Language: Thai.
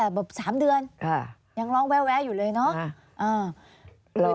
อันดับ๖๓๕จัดใช้วิจิตร